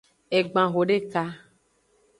Egban hodeka.